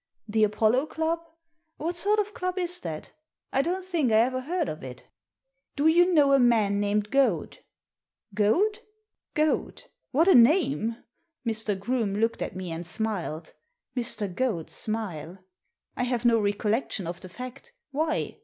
The Apollo Club? What sort of club is that? I don't think I ever heard of it" " Do you know a man named Goad ?"■ "Goad! Goad! What a name!" Mr. Groome looked at me and smiled — Mr. Goad's smile. " I have no recollection of the fact Why?